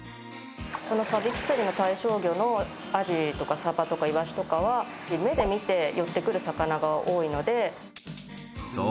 このサビキ釣りの対象魚のアジとかサバとかイワシとかは目で見て寄ってくる魚が多いのでそう！